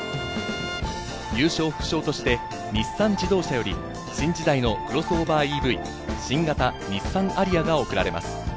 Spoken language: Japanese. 優勝副賞として日産自動車より新時代のクロスオーバーＥＶ、新型日産ＡＲＩＹＡが贈られます。